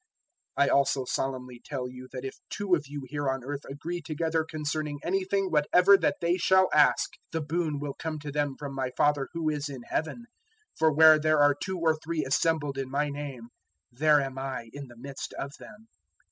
018:019 I also solemnly tell you that if two of you here on earth agree together concerning anything whatever that they shall ask, the boon will come to them from my Father who is in Heaven. 018:020 For where there are two or three assembled in my name, there am I in the midst of them."